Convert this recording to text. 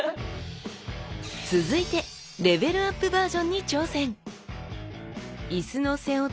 続いてレベルアップバージョンに挑戦！